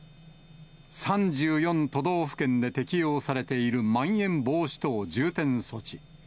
３４都道府県で適用されている、まん延防止等重点措置。